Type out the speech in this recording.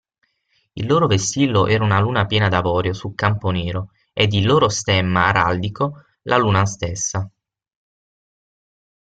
Il loro vessillo era una luna piena d'avorio su campo nero, ed il loro stemma araldico la luna stessa.